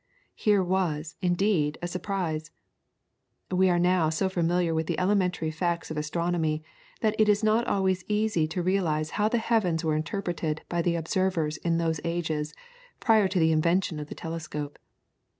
Here was, indeed, a surprise. We are now so familiar with the elementary facts of astronomy that it is not always easy to realise how the heavens were interpreted by the observers in those ages prior to the invention of the telescope.